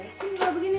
beresin juga begini nih